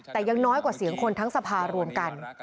แต่ยังน้อยกว่าเสียงคนทั้งสภารวมกัน